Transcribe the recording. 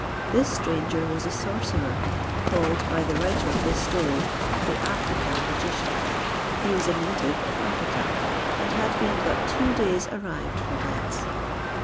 This stranger was a sorcerer, called by the writer of this story, the African magician; he was a native of Africa, and had been but two days arrived from thence.